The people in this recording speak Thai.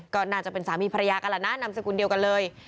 ก็น่าจะเป็นสามีภรรยากันแหละนะนามสกุลเดียวกันเลย